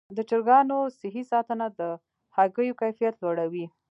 د چرګانو صحي ساتنه د هګیو کیفیت لوړوي.